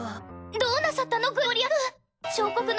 どうなさったの？